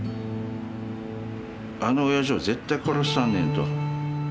あのおやじを絶対殺したんねんと。